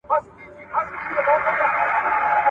بار به دي په شا کم، توان به دي تر ملا کم.